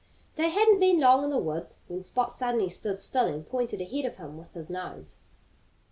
They hadn't been long in the woods when Spot suddenly stood still and pointed ahead of him with his nose.